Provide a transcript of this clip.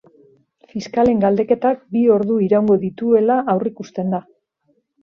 Fiskalen galdeketak bi ordu iraungo dituela aurreikusten da.